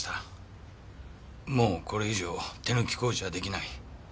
もうこれ以上手抜き工事はできない。